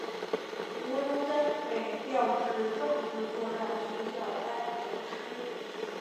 吴荣根被调至政治作战学校担任讲师。